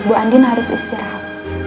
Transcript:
bu andin harus istirahat